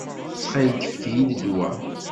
Ttxil-k, efk-iyi-d wa.